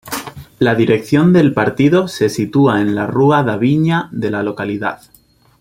La dirección del partido se sitúa en la Rúa da Viña de la localidad.